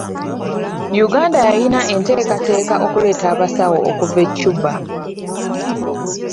Uganda yalina enteekateeka okuleeta abasawo okuva e Cuba.